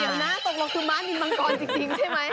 เดี๋ยวนะตกลงคือม้านินมังกรจริงใช่ไหม